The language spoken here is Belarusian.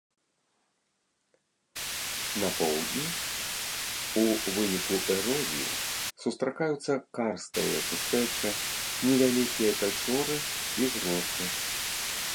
На поўдні ў выніку эрозіі сустракаюцца карставыя пустэчы, невялікія пячоры і гроты.